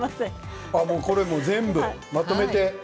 これ全部まとめて？